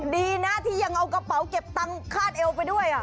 ดีนะที่ยังเอากระเป๋าเก็บตังคาดเอวไปด้วย